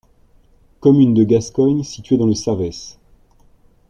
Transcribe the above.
Commune de Gascogne située dans le Savès.